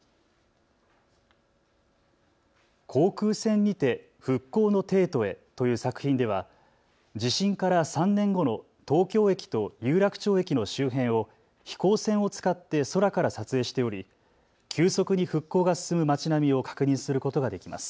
航空船にて復興の帝都へという作品では地震から３年後の東京駅と有楽町駅の周辺を飛行船を使って空から撮影しており急速に復興が進む町並みを確認することができます。